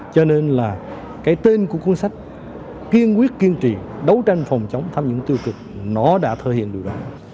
cho nên là cái tên của cuốn sách kiên quyết kiên trì đấu tranh phòng chống tham nhũng tiêu cực nó đã thể hiện điều đó